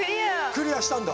クリアしたんだ！